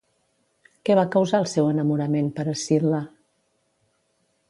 Què va causar el seu enamorament per Escil·la?